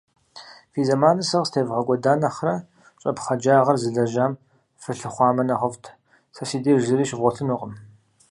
Фи зэманыр сэ къыстевгъэкӏуэда нэхърэ, щӏэпхъэджагъэр зылэжьам фылъыхъуамэ нэхъыфӏт. Сэ си деж зыри щывгъуэтынукъым.